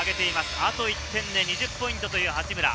あと１点で２０ポイントという八村。